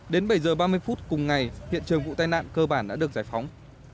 đến bảy h ba mươi phút cùng ngày hiện trường vụ tai nạn cơ bản đã được giải phóng